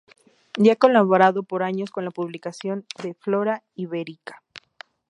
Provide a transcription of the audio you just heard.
Y ha colaborado por años con la publicación de "Flora iberica".